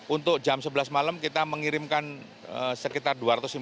untuk jam sebelas malam kita mengirimkan sekitar dua ratus lima puluh